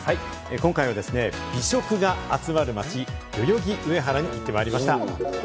今回は美食が集まる街、代々木上原に行ってまいりました。